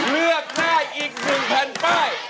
เลือกได้อีก๑แผ่นป้าย